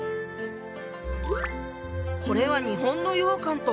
これは日本の羊羹と別物ね。